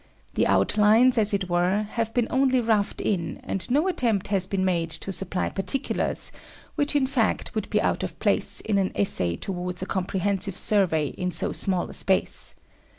The outlines, as it were, have been only roughed in; and no attempt has been made to supply particulars, which in fact would be out of place in an essay towards a comprehensive survey in so small a space.